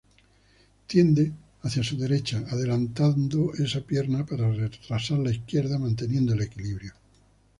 Tiende hacia su derecha, adelantando esa pierna para retrasar la izquierda, manteniendo el equilibrio.